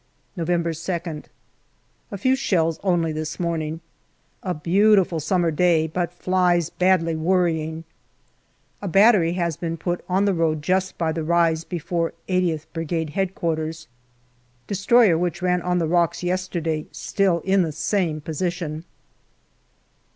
November 2nd. A few shells only this morning. A beautiful summer day, but flies badly worrying. A battery has been put on the road just by the rise before 80 th Brigade H.Q. Destroyer which ran on the rocks yesterday still in the same position.